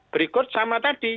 berikut sama tadi